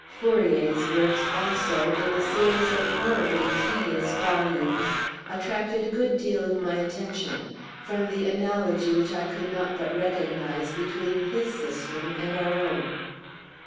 Fourier's works, also, in a series of horribly tedious volumes, attracted a good deal of my attention, from the analogy which I could not but recognize between his system and our own.